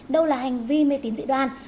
đâu là hành vi mê tín dị đoàn